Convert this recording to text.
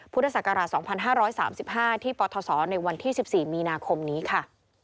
พุทธศักราช๒๕๓๕ที่ปทศในวันที่๑๔มีนาคมนี้ค่ะ